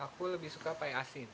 aku lebih suka pay asin